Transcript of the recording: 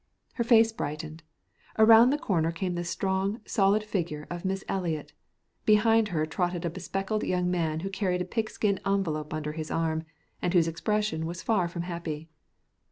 Her face brightened. Around the corner came the strong, solid figure of Miss Eliot; behind her trotted a bespectacled young man who carried a pigskin envelope under his arm and whose expression was far from happy.